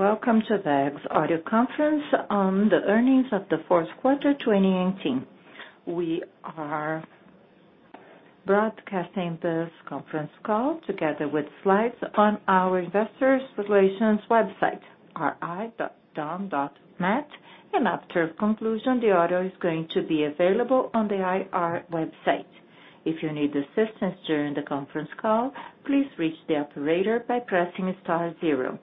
Welcome to WEG's audio conference on the earnings of the fourth quarter 2018. We are broadcasting this conference call together with slides on our investor relations website, ri.weg.net, and after conclusion, the audio is going to be available on the IR website. If you need assistance during the conference call, please reach the operator by pressing star zero.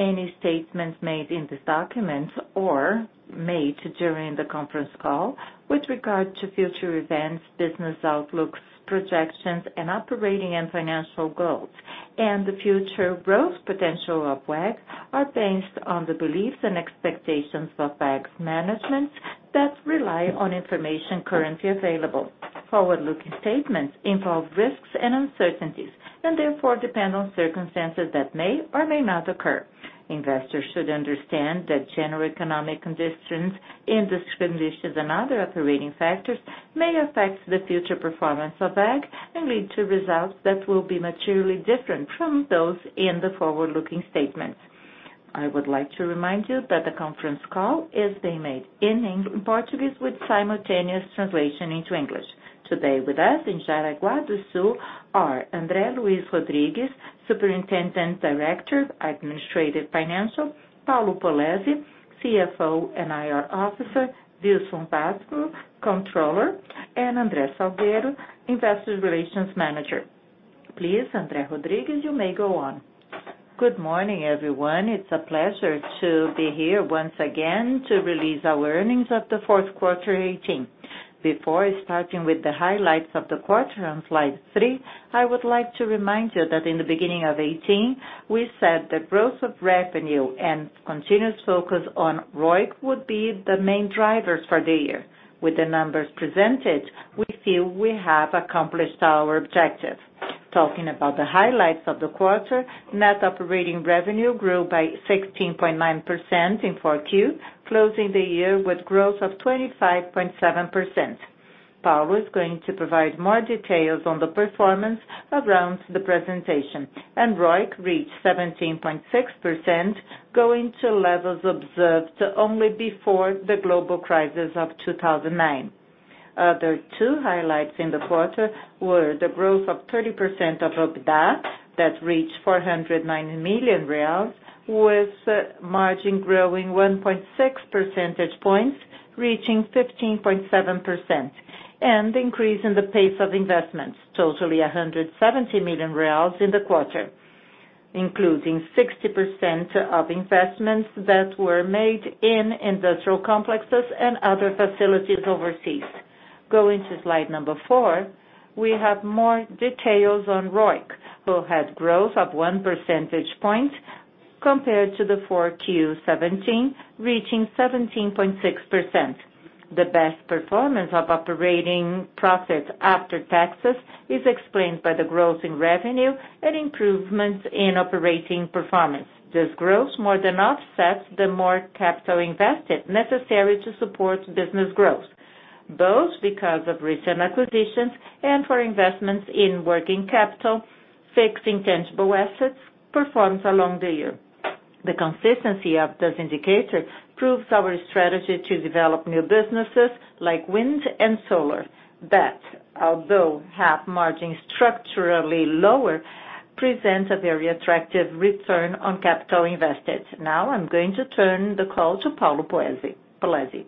Any statements made in this document or made during the conference call with regard to future events, business outlooks, projections, and operating and financial goals, and the future growth potential of WEG, are based on the beliefs and expectations of WEG's management that rely on information currently available. Forward-looking statements involve risks and uncertainties and therefore depend on circumstances that may or may not occur. Investors should understand that general economic conditions, industry conditions, and other operating factors may affect the future performance of WEG and lead to results that will be materially different from those in the forward-looking statements. I would like to remind you that the conference call is being made in Portuguese with simultaneous translation into English. Today with us in Jaraguá do Sul are André Luís Rodrigues, Superintendent Director of Administrative Financial, Paulo Polezi, CFO and IR Officer, Wilson Watzko, Controller, and André Salgueiro, Investor Relations Manager. Please, André Rodrigues, you may go on. Good morning, everyone. It's a pleasure to be here once again to release our earnings of the fourth quarter 2018. Before starting with the highlights of the quarter on slide three, I would like to remind you that in the beginning of 2018, we said the growth of revenue and continuous focus on ROIC would be the main drivers for the year. With the numbers presented, we feel we have accomplished our objective. Talking about the highlights of the quarter, net operating revenue grew by 16.9% in 4Q, closing the year with growth of 25.7%. Paulo is going to provide more details on the performance around the presentation. ROIC reached 17.6%, going to levels observed only before the global crisis of 2009. Other two highlights in the quarter were the growth of 30% of OIBDA, that reached 490 million reais, with margin growing 1.6 percentage points, reaching 15.7%. Increase in the pace of investments, totally 170 million reais in the quarter, including 60% of investments that were made in industrial complexes and other facilities overseas. Going to slide number four, we have more details on ROIC, who had growth of one percentage point compared to the 4Q 2017, reaching 17.6%. The best performance of operating profit after taxes is explained by the growth in revenue and improvements in operating performance. This growth more than offsets the more capital invested necessary to support business growth, both because of recent acquisitions and for investments in working capital, fixed intangible assets performance along the year. The consistency of this indicator proves our strategy to develop new businesses like wind and solar, that although have margin structurally lower, present a very attractive return on capital invested. Now, I'm going to turn the call to Paulo Polezi.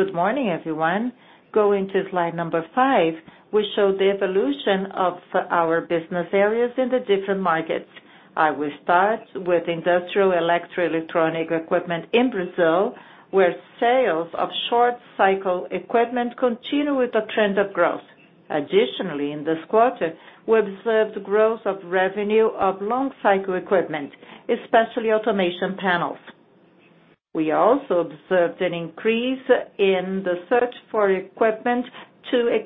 Good morning, everyone. Going to slide five, we show the evolution of our business areas in the different markets. I will start with industrial electro-electronic equipment in Brazil, where sales of short-cycle equipment continue with a trend of growth. Additionally, in this quarter, we observed growth of revenue of long-cycle equipment, especially automation panels. We also observed an increase in the search for equipment to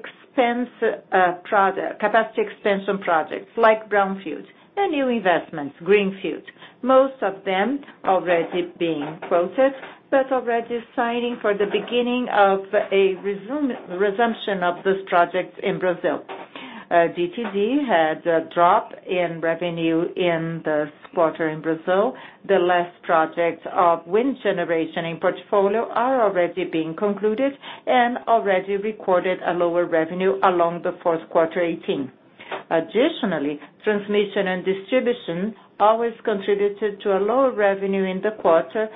capacity extension projects like brownfield and new investments, greenfield. Most of them already being quoted, but already signing for the beginning of a resumption of this project in Brazil. GTD had a drop in revenue in this quarter in Brazil. The last project of wind generation in portfolio are already being concluded and already recorded a lower revenue along the fourth quarter 2018. Additionally, transmission and distribution always contributed to a lower revenue in the quarter,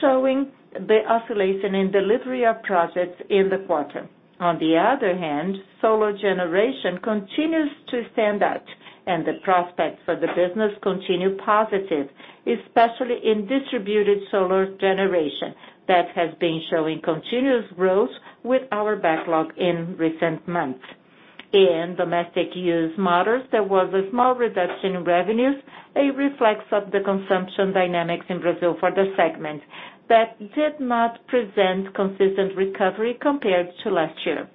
showing the oscillation in delivery of projects in the quarter. On the other hand, solar generation continues to stand out, and the prospects for the business continue positive, especially in distributed solar generation that has been showing continuous growth with our backlog in recent months. In domestic use motors, there was a small reduction in revenues, a reflex of the consumption dynamics in Brazil for the segment that did not present consistent recovery compared to last year.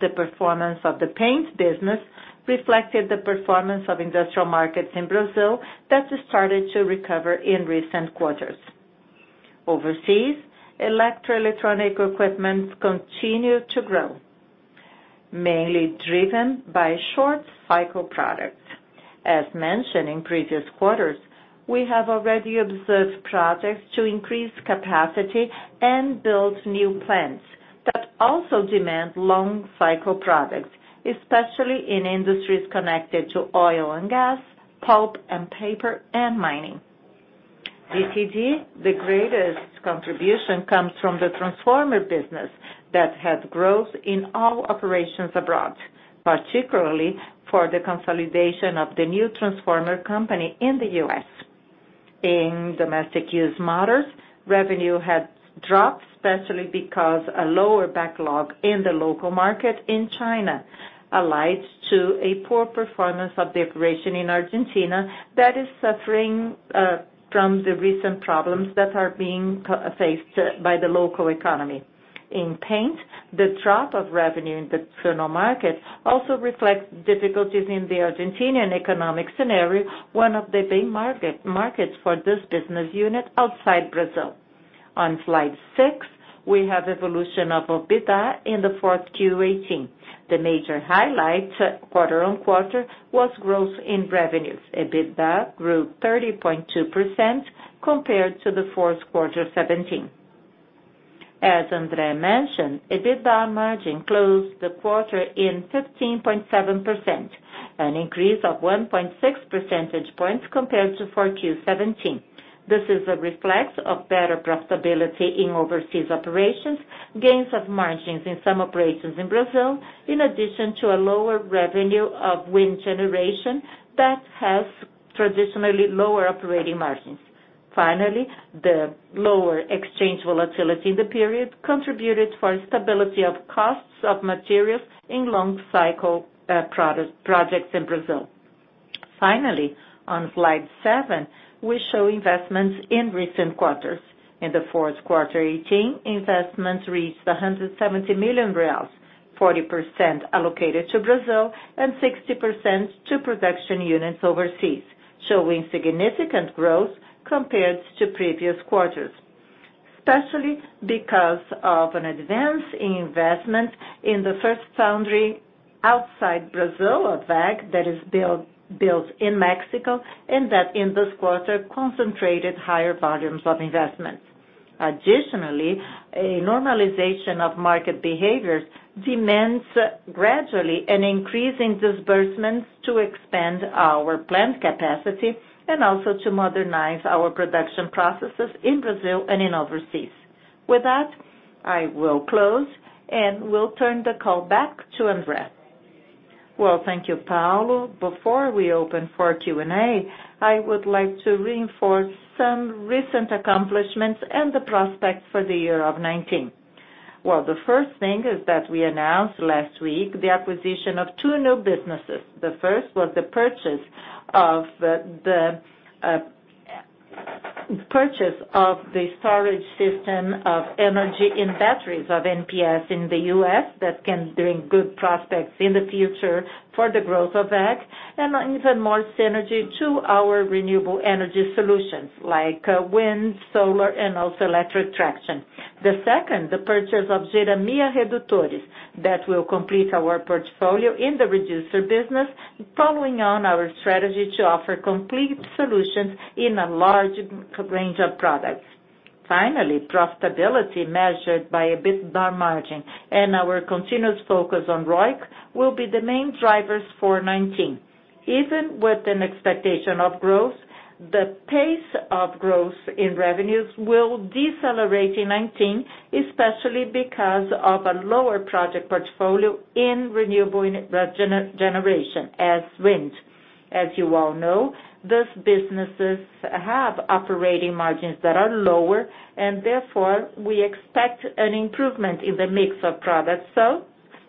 The performance of the paint business reflected the performance of industrial markets in Brazil that started to recover in recent quarters. Overseas, electro-electronic equipment continued to grow. Mainly driven by short-cycle products. As mentioned in previous quarters, we have already observed projects to increase capacity and build new plants that also demand long-cycle products, especially in industries connected to oil and gas, pulp and paper, and mining. GTD, the greatest contribution comes from the transformer business that had growth in all operations abroad, particularly for the consolidation of the new transformer company in the U.S. In domestic use motors, revenue had dropped, especially because a lower backlog in the local market in China, allied to a poor performance of the operation in Argentina that is suffering from the recent problems that are being faced by the local economy. In paint, the drop of revenue in the external market also reflects difficulties in the Argentinian economic scenario, one of the main markets for this business unit outside Brazil. On slide six, we have evolution of EBITDA in the fourth quarter 2018. The major highlight quarter-over-quarter was growth in revenues. EBITDA grew 30.2% compared to the fourth quarter 2017. As André mentioned, EBITDA margin closed the quarter in 15.7%, an increase of 1.6 percentage points compared to the fourth quarter 2017. This is a reflex of better profitability in overseas operations, gains of margins in some operations in Brazil, in addition to a lower revenue of wind generation that has traditionally lower operating margins. Finally, the lower exchange volatility in the period contributed for stability of costs of materials in long-cycle projects in Brazil. Finally, on slide seven, we show investments in recent quarters. In the fourth quarter 2018, investments reached 170 million reais, 40% allocated to Brazil and 60% to production units overseas, showing significant growth compared to previous quarters, especially because of an advance in investment in the first foundry outside Brazil of WEG that is built in Mexico, and that in this quarter concentrated higher volumes of investments. Additionally, a normalization of market behaviors demands gradually an increase in disbursements to expand our plant capacity and also to modernize our production processes in Brazil and in overseas. With that, I will close and will turn the call back to André. Thank you, Paulo. Before we open for Q&A, I would like to reinforce some recent accomplishments and the prospects for the year of 2019. The first thing is that we announced last week the acquisition of two new businesses. The first was the purchase of the storage system of energy in batteries of NPS in the U.S. that can bring good prospects in the future for the growth of WEG, and even more synergy to our renewable energy solutions like wind, solar, and also electric traction. The second, the purchase of Geremia Redutores, that will complete our portfolio in the reducer business, following on our strategy to offer complete solutions in a large range of products. Finally, profitability measured by EBITDA margin and our continuous focus on ROIC will be the main drivers for 2019. Even with an expectation of growth, the pace of growth in revenues will decelerate in 2019, especially because of a lower project portfolio in renewable generation as wind. As you all know, these businesses have operating margins that are lower, and therefore, we expect an improvement in the mix of products sold,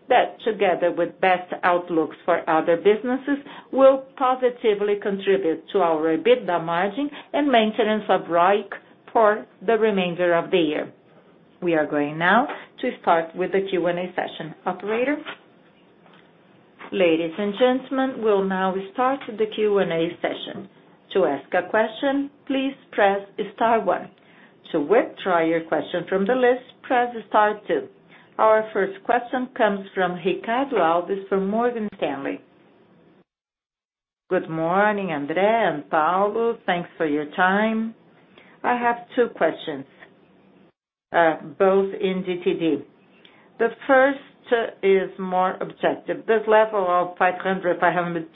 that together with best outlooks for other businesses, will positively contribute to our EBITDA margin and maintenance of ROIC for the remainder of the year. We are going now to start with the Q&A session. Operator? Ladies and gentlemen, we'll now start the Q&A session. To ask a question, please press star one. To withdraw your question from the list, press star two. Our first question comes from Ricardo Alves from Morgan Stanley. Good morning, André and Paulo. Thanks for your time. I have two questions, both in GTD. The first is more objective. This level of 500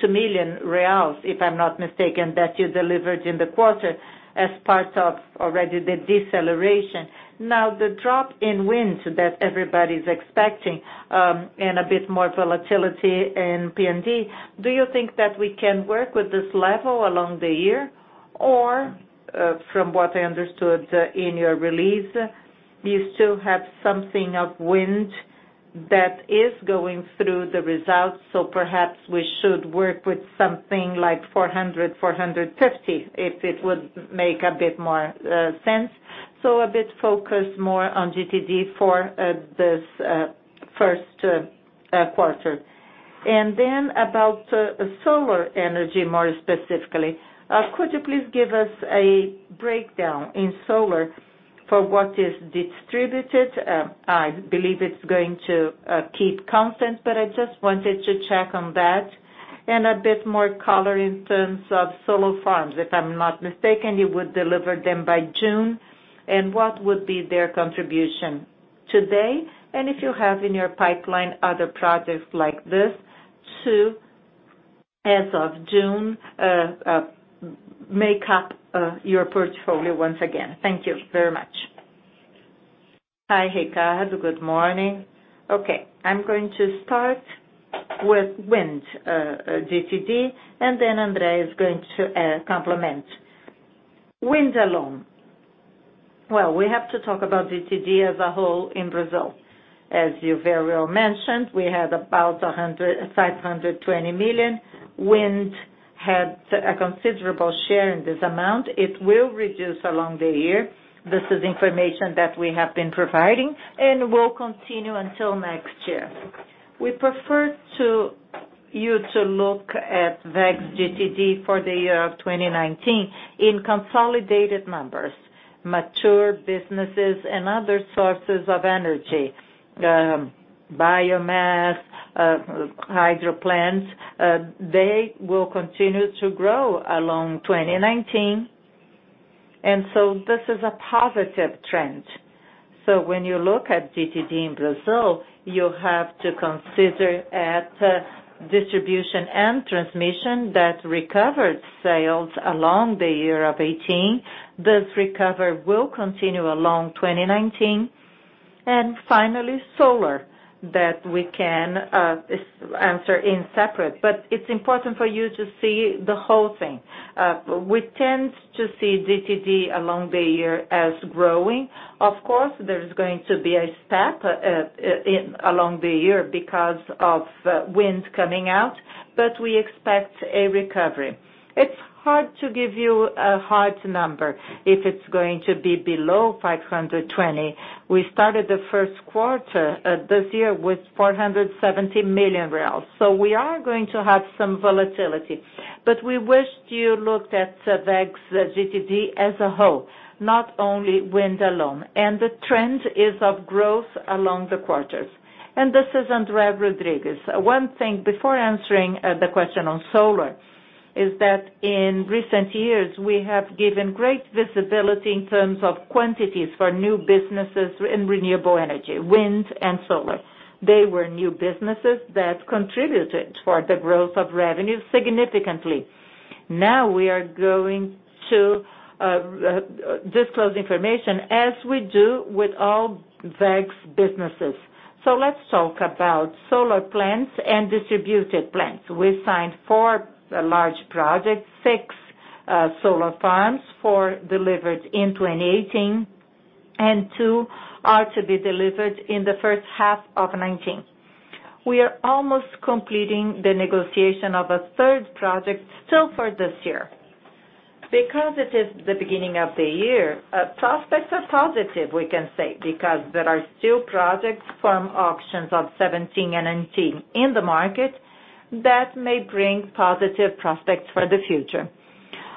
million reais, BRL 502 million, if I'm not mistaken, that you delivered in the quarter as part of already the deceleration. Now the drop in wind that everybody's expecting, and a bit more volatility in T&D. Do you think that we can work with this level along the year? Or from what I understood in your release, do you still have something of wind that is going through the results, so perhaps we should work with something like 400 million, 450 million, if it would make a bit more sense? So a bit focused more on GTD for this first quarter. Then about solar energy more specifically. Could you please give us a breakdown in solar for what is distributed? I believe it's going to keep constant, but I just wanted to check on that, and a bit more color in terms of solar farms. If I'm not mistaken, you would deliver them by June. What would be their contribution today? If you have in your pipeline other projects like this, too, as of June, make up your portfolio once again. Thank you very much. Hi, Ricardo. Good morning. I'm going to start with wind GTD, and then André is going to complement. Wind alone. We have to talk about GTD as a whole in Brazil. As you very well mentioned, we had about 520 million. Wind had a considerable share in this amount. It will reduce along the year. This is information that we have been providing, and will continue until next year. We prefer you to look at WEG's GTD for the year of 2019 in consolidated numbers. Mature businesses and other sources of energy, biomass, hydro plants, they will continue to grow along 2019. This is a positive trend. When you look at GTD in Brazil, you have to consider at distribution and transmission that recovered sales along the year of 2018. This recovery will continue along 2019. Finally, solar, that we can answer in separate, but it is important for you to see the whole thing. We tend to see GTD along the year as growing. Of course, there is going to be a step along the year because of wind coming out, but we expect a recovery. It is hard to give you a hard number if it is going to be below 520. We started the first quarter this year with 470 million real. We are going to have some volatility. We wished you looked at WEG's GTD as a whole, not only wind alone. The trend is of growth along the quarters. This is André Rodrigues. One thing before answering the question on solar, is that in recent years, we have given great visibility in terms of quantities for new businesses in renewable energy, wind and solar. They were new businesses that contributed for the growth of revenues significantly. Now we are going to disclose information as we do with all WEG's businesses. Let us talk about solar plants and distributed plants. We signed 4 large projects, 6 solar farms, 4 delivered in 2018, and 2 are to be delivered in the first half of 2019. We are almost completing the negotiation of a third project still for this year. Because it is the beginning of the year, prospects are positive, we can say, because there are still projects from auctions of 2017 and 2018 in the market that may bring positive prospects for the future.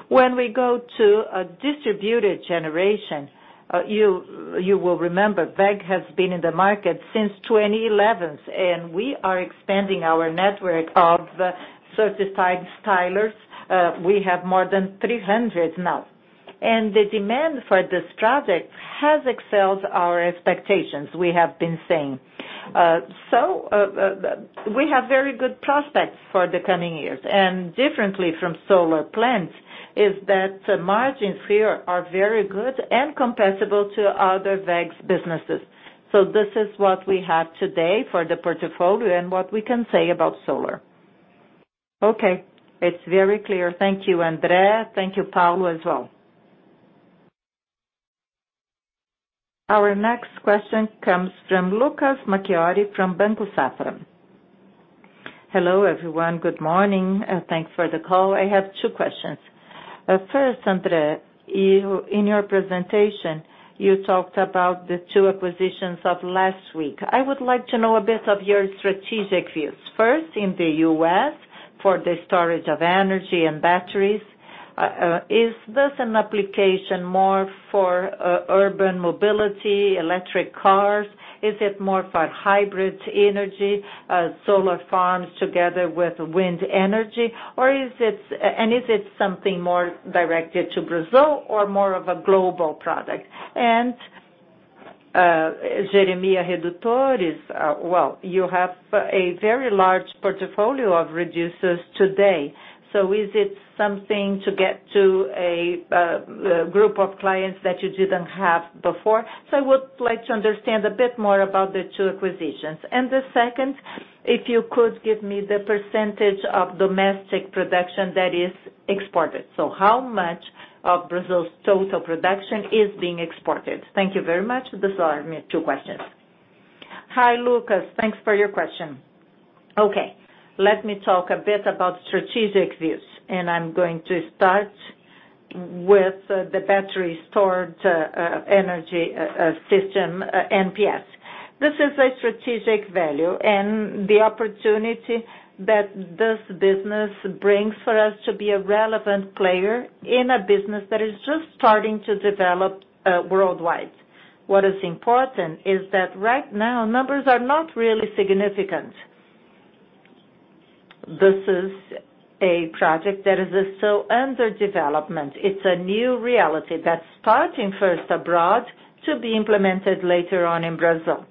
When we go to a distributed generation, you will remember, WEG has been in the market since 2011, and we are expanding our network of certified stylers. We have more than 300 now. The demand for this project has excelled our expectations, we have been saying. We have very good prospects for the coming years. Differently from solar plants, is that margins here are very good and comparable to other WEG's businesses. This is what we have today for the portfolio and what we can say about solar. Okay. It is very clear. Thank you, André. Thank you, Paulo, as well. Our next question comes from Lucas Marquiori from Banco Safra. Hello, everyone. Good morning. Thanks for the call. I have 2 questions. First, André, in your presentation, you talked about the 2 acquisitions of last week. I would like to know a bit of your strategic views. First, in the U.S., for the storage of energy and batteries, is this an application more for urban mobility, electric cars? Is it more for hybrid energy, solar farms together with wind energy? Is it something more directed to Brazil or more of a global product? Geremia Redutores, well, you have a very large portfolio of reducers today. Is it something to get to a group of clients that you did not have before? I would like to understand a bit more about the 2 acquisitions. The second, if you could give me the percentage of domestic production that is exported. How much of Brazil's total production is being exported? Thank you very much. These are my 2 questions. Hi, Lucas. Thanks for your question. Okay. Let me talk a bit about strategic views. I'm going to start with the battery storage energy system, NPS. This is a strategic value and the opportunity that this business brings for us to be a relevant player in a business that is just starting to develop worldwide. What is important is that right now numbers are not really significant. This is a project that is still under development. It's a new reality that's starting first abroad to be implemented later on in Brazil.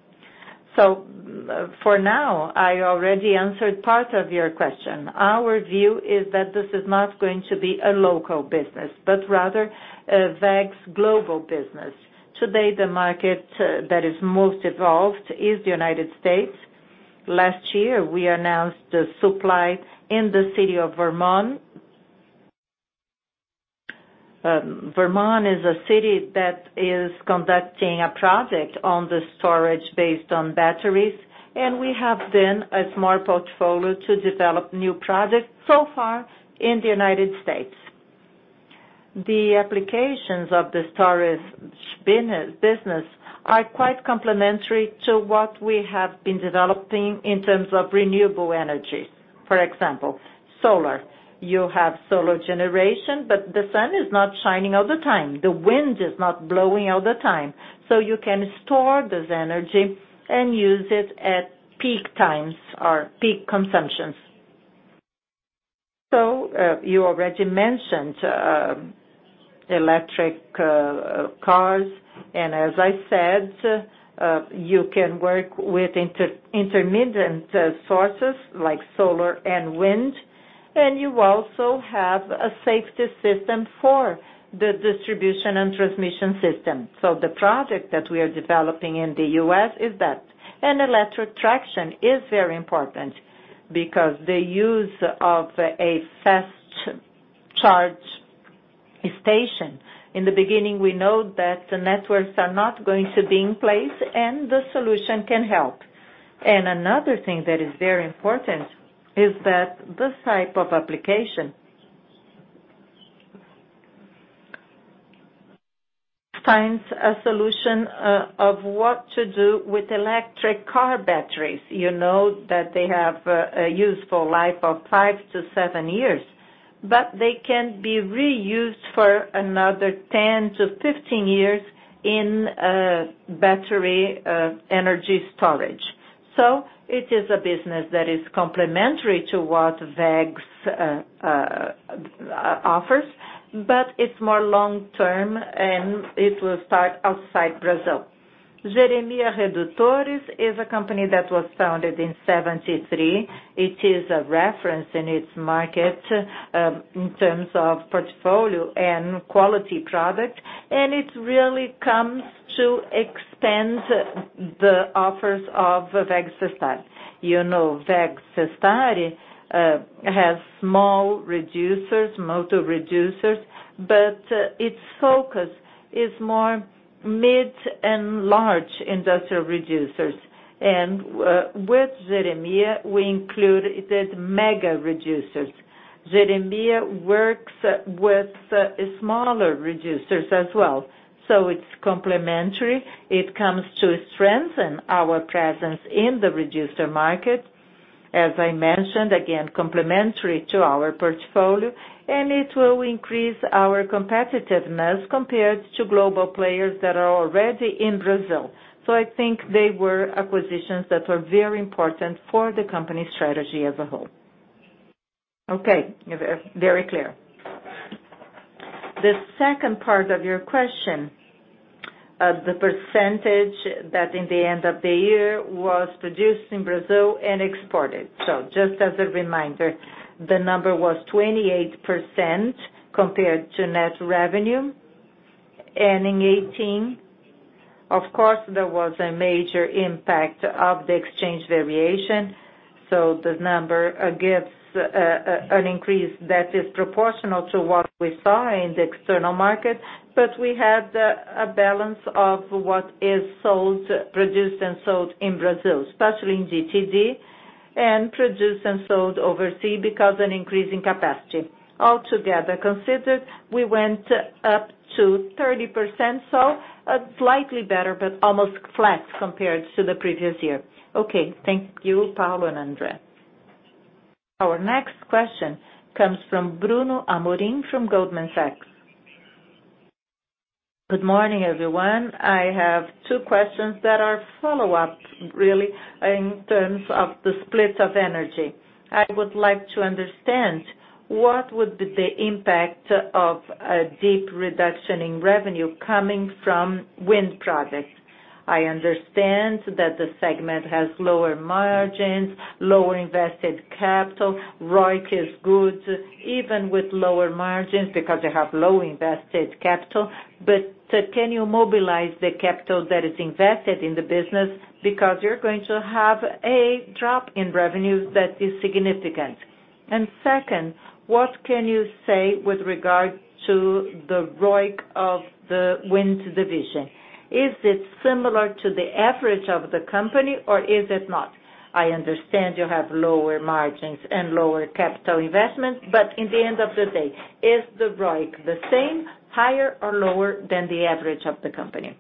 For now, I already answered part of your question. Our view is that this is not going to be a local business, but rather a WEG's global business. Today, the market that is most evolved is the U.S. Last year, we announced a supply in the city of Vermont. Vermont is a city that is conducting a project on the storage based on batteries, and we have then a small portfolio to develop new projects so far in the U.S. The applications of the storage business are quite complementary to what we have been developing in terms of renewable energy. For example, solar. You have solar generation, but the sun is not shining all the time. The wind is not blowing all the time. You can store this energy and use it at peak times or peak consumption. You already mentioned electric cars, and as I said, you can work with intermittent sources like solar and wind, and you also have a safety system for the distribution and transmission system. The project that we are developing in the U.S. is that. Electric traction is very important because the use of a fast charge station. In the beginning, we know that the networks are not going to be in place, and the solution can help. Another thing that is very important is that this type of application finds a solution of what to do with electric car batteries. You know that they have a useful life of five to seven years. They can be reused for another 10 to 15 years in battery energy storage. It is a business that is complementary to what WEG offers, but it's more long-term, and it will start outside Brazil. Geremia Redutores is a company that was founded in 1973. It is a reference in its market in terms of portfolio and quality product, and it really comes to expand the offers of WEG-CESTARI. You know, WEG-CESTARI has small reducers, motor reducers, but its focus is more mid and large industrial reducers. With Geremia, we include the mega reducers. Geremia works with smaller reducers as well. It's complementary. It comes to strengthen our presence in the reducer market. As I mentioned, again, complementary to our portfolio, and it will increase our competitiveness compared to global players that are already in Brazil. I think they were acquisitions that were very important for the company's strategy as a whole. Okay. Very clear. The second part of your question, the percentage that at the end of the year was produced in Brazil and exported. Just as a reminder, the number was 28% compared to net revenue. In 2018, of course, there was a major impact of the exchange variation. The number gives an increase that is proportional to what we saw in the external market. We had a balance of what is produced and sold in Brazil, especially in GTD, and produced and sold overseas because an increase in capacity. Altogether considered, we went up to 30%, so slightly better, but almost flat compared to the previous year. Okay. Thank you, Paulo and Andre. Our next question comes from Bruno Amorim from Goldman Sachs. Good morning, everyone. I have two questions that are follow-ups really in terms of the split of energy. I would like to understand what would be the impact of a deep reduction in revenue coming from wind projects. I understand that the segment has lower margins, lower invested capital. ROIC is good, even with lower margins because you have low invested capital. Can you mobilize the capital that is invested in the business because you're going to have a drop in revenues that is significant. Second, what can you say with regard to the ROIC of the wind division? Is it similar to the average of the company or is it not? I understand you have lower margins and lower capital investments, but in the end of the day, is the ROIC the same, higher or lower than the average of the company?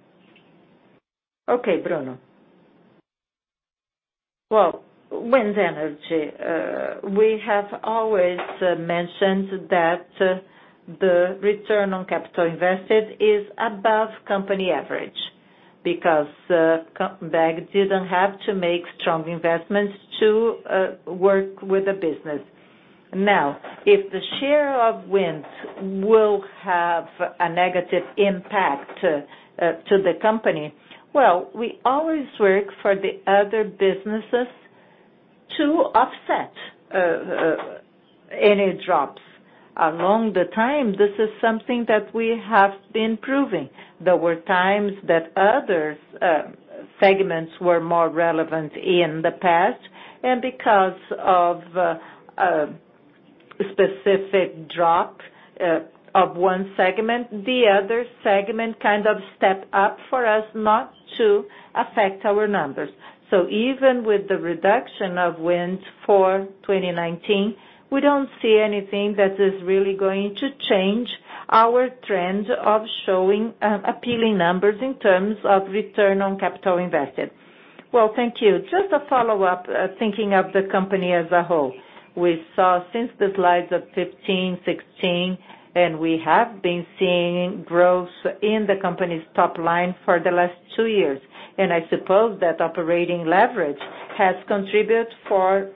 Okay, Bruno. Well, wind energy. We have always mentioned that the return on capital invested is above company average, because WEG didn't have to make strong investments to work with the business. If the share of wind will have a negative impact to the company, well, we always work for the other businesses to offset any drops. Along the time, this is something that we have been proving. There were times that other segments were more relevant in the past, because of a specific drop of one segment, the other segment kind of stepped up for us, not to affect our numbers. Even with the reduction of wind for 2019, we don't see anything that is really going to change our trend of showing appealing numbers in terms of return on capital invested. Thank you. Just a follow-up, thinking of the company as a whole. We saw since the slides of 2015, 2016, we have been seeing growth in the company's top line for the last two years. I suppose that operating leverage has contribute for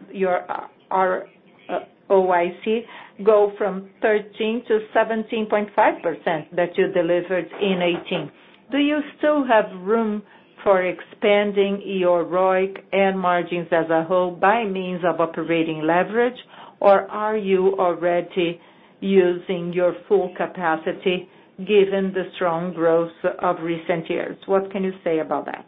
our ROIC go from 13%-17.5% that you delivered in 2018. Do you still have room for expanding your ROIC and margins as a whole by means of operating leverage? Are you already using your full capacity given the strong growth of recent years? What can you say about that?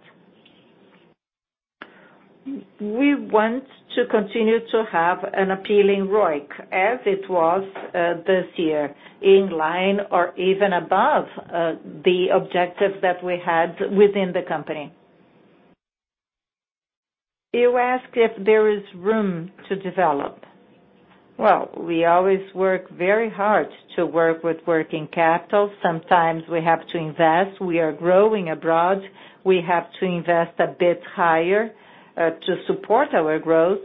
We want to continue to have an appealing ROIC as it was this year, in line or even above the objectives that we had within the company. You ask if there is room to develop. We always work very hard to work with working capital. Sometimes we have to invest. We are growing abroad. We have to invest a bit higher to support our growth.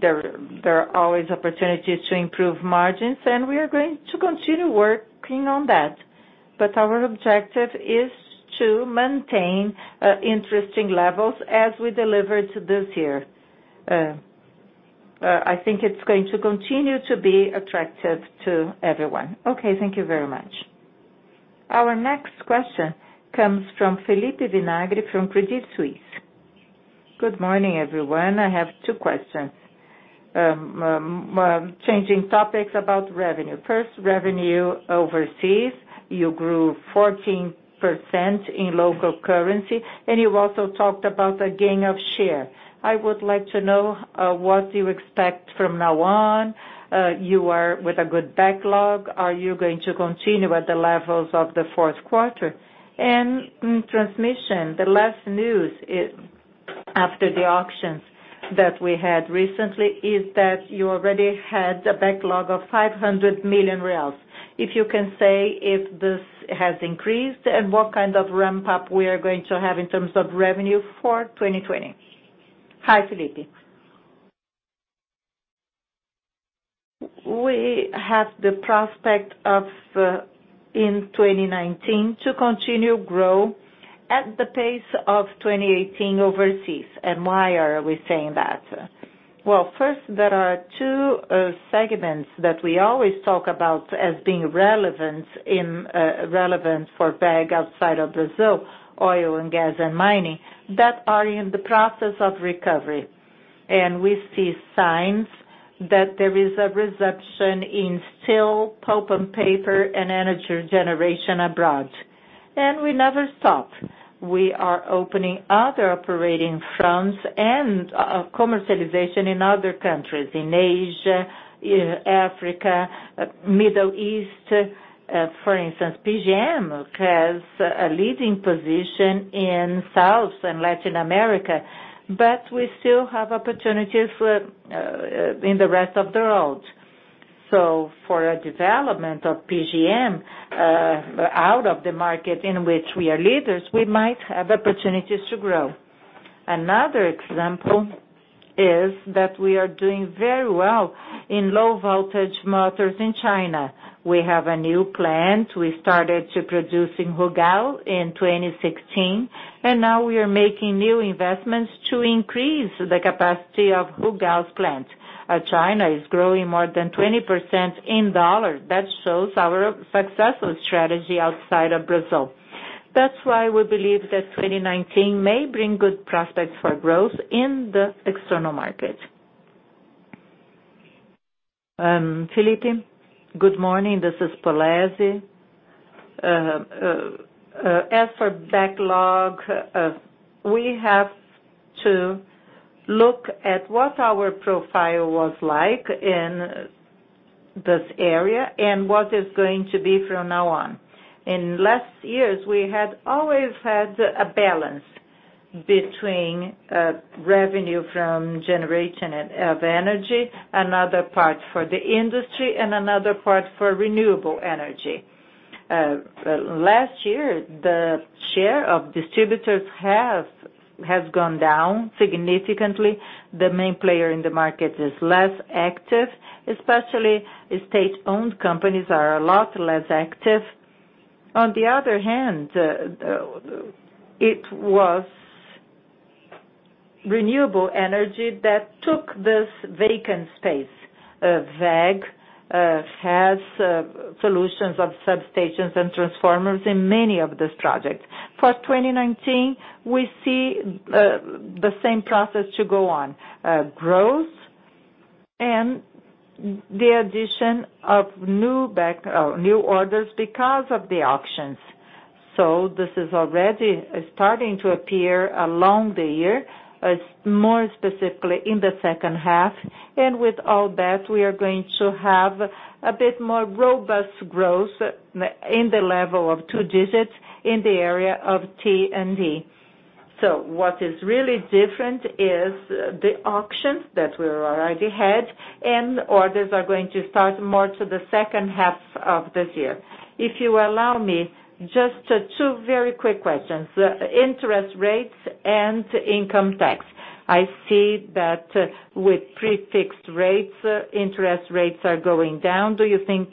There are always opportunities to improve margins, we are going to continue working on that. Our objective is to maintain interesting levels as we delivered this year. I think it's going to continue to be attractive to everyone. Okay. Thank you very much. Our next question comes from Felipe Vinagre from Credit Suisse. Good morning, everyone. I have two questions. Changing topics about revenue. First, revenue overseas. You grew 14% in local currency, and you also talked about a gain of share. I would like to know what you expect from now on. You are with a good backlog. Are you going to continue at the levels of the fourth quarter? In transmission, the last news after the auctions that we had recently is that you already had a backlog of 500 million reais. If you can say if this has increased and what kind of ramp-up we are going to have in terms of revenue for 2020. Hi, Felipe. We have the prospect of, in 2019, to continue grow at the pace of 2018 overseas. Why are we saying that? Well, first, there are two segments that we always talk about as being relevant for WEG outside of Brazil, oil and gas and mining, that are in the process of recovery. We see signs that there is a reception in steel, pulp and paper, and energy generation abroad. We never stop. We are opening other operating fronts and commercialization in other countries, in Asia, Africa, Middle East. For instance, PGM has a leading position in South and Latin America, but we still have opportunities in the rest of the world. For a development of PGM out of the market in which we are leaders, we might have opportunities to grow. Another example is that we are doing very well in low-voltage motors in China. We have a new plant we started to produce in Rugao in 2016, and now we are making new investments to increase the capacity of Rugao's plant. China is growing more than 20% in USD. That shows our successful strategy outside of Brazil. That's why we believe that 2019 may bring good prospects for growth in the external market. Felipe, good morning. This is Polezi. As for backlog, we have to look at what our profile was like in this area and what is going to be from now on. In last years, we had always had a balance between revenue from generation of energy, another part for the industry, and another part for renewable energy. Last year, the share of distributors has gone down significantly. The main player in the market is less active, especially state-owned companies are a lot less active. On the other hand, it was renewable energy that took this vacant space. WEG has solutions of substations and transformers in many of those projects. For 2019, we see the same process to go on. Growth and the addition of new orders because of the auctions. This is already starting to appear along the year, more specifically in the second half. With all that, we are going to have a bit more robust growth in the level of 2 digits in the area of T&D. What is really different is the auctions that we already had, and orders are going to start more to the second half of this year. If you allow me, just two very quick questions. Interest rates and income tax. I see that with prefixed rates, interest rates are going down. Do you think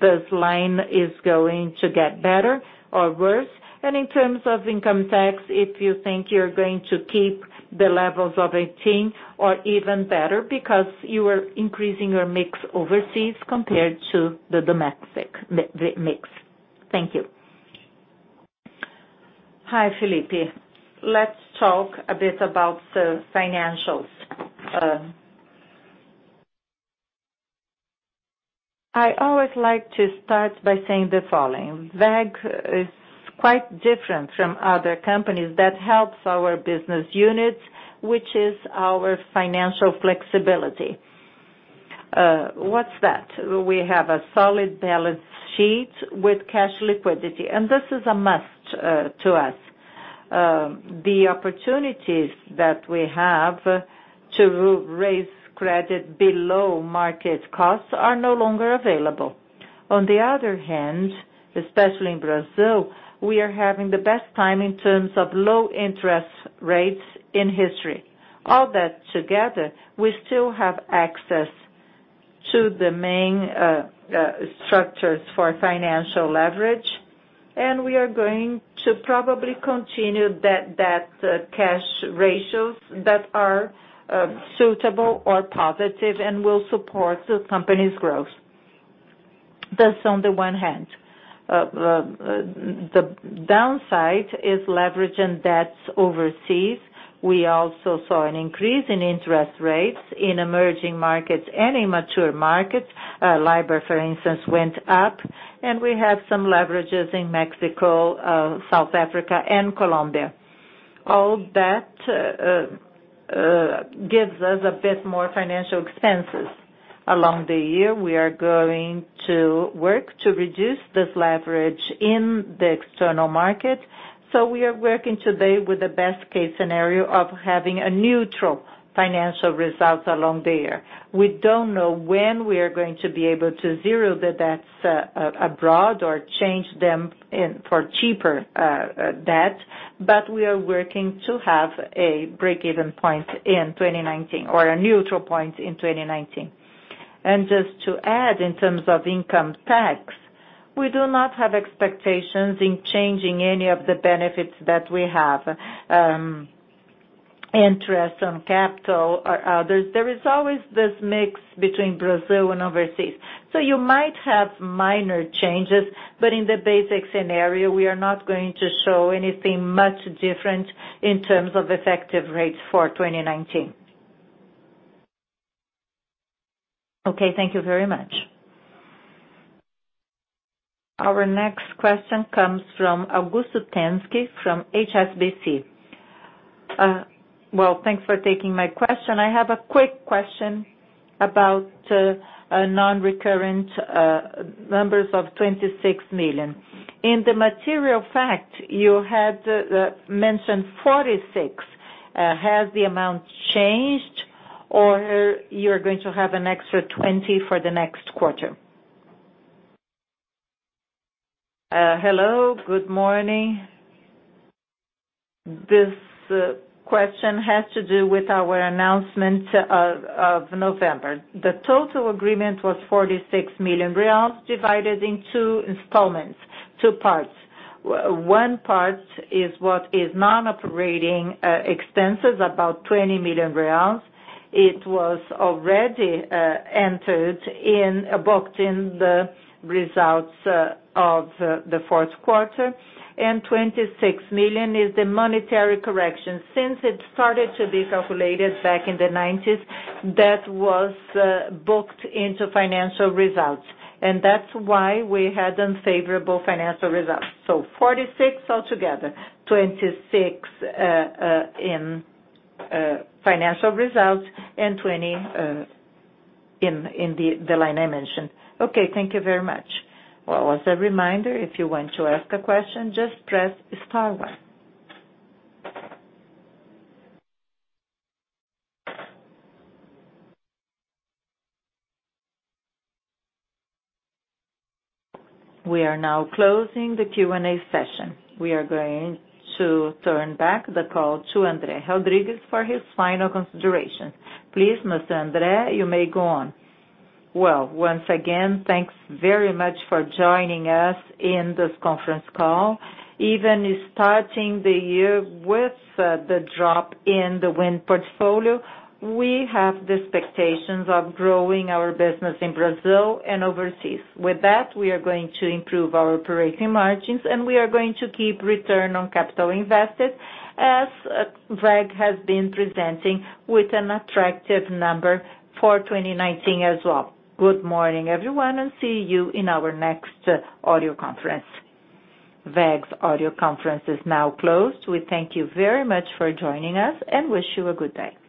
this line is going to get better or worse? In terms of income tax, if you think you are going to keep the levels of 2018 or even better because you are increasing your mix overseas compared to the domestic mix. Thank you. Hi, Felipe. Let's talk a bit about the financials. I always like to start by saying the following. WEG is quite different from other companies. That helps our business units, which is our financial flexibility. What is that? We have a solid balance sheet with cash liquidity, and this is a must to us. The opportunities that we have to raise credit below market costs are no longer available. Especially in Brazil, we are having the best time in terms of low interest rates in history. We still have access to the main structures for financial leverage, and we are going to probably continue that cash ratios that are suitable or positive and will support the company's growth. That is on the one hand. The downside is leverage and debts overseas. We also saw an increase in interest rates in emerging markets and in mature markets. LIBOR, for instance, went up, and we have some leverages in Mexico, South Africa, and Colombia. That gives us a bit more financial expenses. Along the year, we are going to work to reduce this leverage in the external market. We are working today with the best case scenario of having a neutral financial result along the year. We do not know when we are going to be able to zero the debts abroad or change them for cheaper debt, but we are working to have a break-even point in 2019 or a neutral point in 2019. Just to add, in terms of income tax, we do not have expectations in changing any of the benefits that we have. Interest on capital or others. There is always this mix between Brazil and overseas. You might have minor changes, but in the basic scenario, we are not going to show anything much different in terms of effective rates for 2019. Okay. Thank you very much. Our next question comes from Augusto Tanski from HSBC. Thanks for taking my question. I have a quick question about non-recurrent numbers of 26 million. In the material fact, you had mentioned 46 million. Has the amount changed, or you are going to have an extra 20 million for the next quarter? Hello, good morning. This question has to do with our announcement of November. The total agreement was BRL 46 million divided in two installments, two parts. One part is what is non-operating expenses, about 20 million reais. It was already entered, booked in the results of the fourth quarter, and 26 million is the monetary correction. Since it started to be calculated back in the 1990s, that was booked into financial results. That is why we had unfavorable financial results. 46 altogether, 26 in financial results, and 20 in the line I mentioned. Okay. Thank you very much. As a reminder, if you want to ask a question, just press star one. We are now closing the Q&A session. We are going to turn back the call to André Rodrigues for his final considerations. Please, Mr. André, you may go on. Well, once again, thanks very much for joining us in this conference call. Even starting the year with the drop in the wind portfolio, we have the expectations of growing our business in Brazil and overseas. With that, we are going to improve our operating margins, and we are going to keep return on capital invested as WEG has been presenting with an attractive number for 2019 as well. Good morning, everyone, and see you in our next audio conference. WEG's audio conference is now closed. We thank you very much for joining us and wish you a good day.